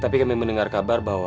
tapi kami mendengar kabar bahwa